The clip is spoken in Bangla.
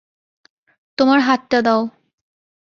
তোমার হাতটা দাও।